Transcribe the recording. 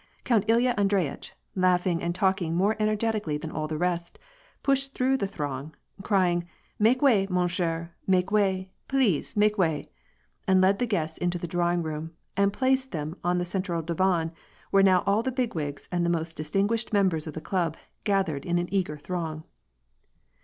Count Ilya Andreyitch, laughing and talking more ener getically than all the rest, pushed through the throng, crying " Make way, mon cher, make way, please, make way," and led the guests into the drawing room, and placed them on the cen tral divan, where now all the bigwigs and the most dis tinguished members of the club gathered in an eager throng.